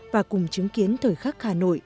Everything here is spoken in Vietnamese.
và cùng chứng kiến thời khắc hà nội